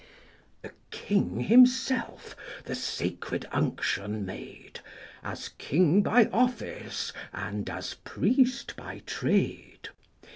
The king himself the sacred unction made, As king by office, and as priest by trade.